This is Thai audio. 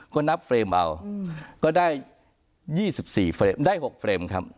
ก็นับเฟรมเอาอืมก็ได้ยี่สิบสี่เฟรมได้หกเฟรมครับ